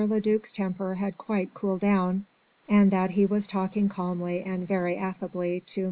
le duc's temper had quite cooled down and that he was talking calmly and very affably to M.